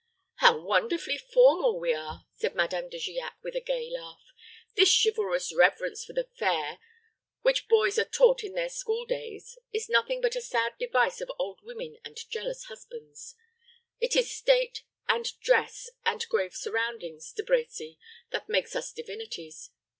"How wonderfully formal we are," said Madame De Giac, with a gay laugh. "This chivalrous reverence for the fair, which boys are taught in their school days, is nothing but a sad device of old women and jealous husbands. It is state, and dress, and grave surroundings, De Brecy, that makes us divinities.